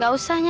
gak usah nya